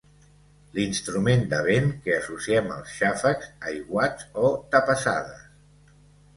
L'instrument de vent que associem als xàfecs, aiguats o tapassades.